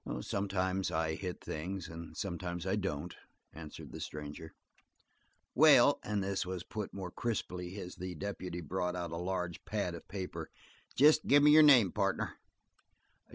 "Sometimes I hit things and sometimes I don't," answered the stranger. "Well," and this was put more crisply as the deputy brought out a large pad of paper, "jest gimme your name, partner."